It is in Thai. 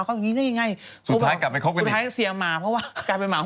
เขากลับไปรักกันเหมือนเดิม